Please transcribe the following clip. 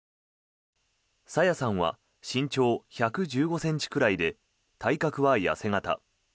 朝芽さんは身長１１５ｃｍくらいで体格は痩せ形。